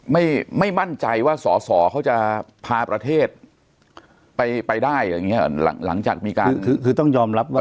ไม่ไม่มั่นใจว่าสอสอเขาจะพาประเทศไปไปได้อย่างเงี้ยหลังจากมีการคือคือต้องยอมรับว่า